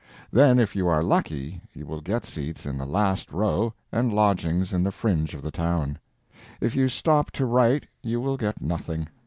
Then if you are lucky you will get seats in the last row and lodgings in the fringe of the town. If you stop to write you will get nothing.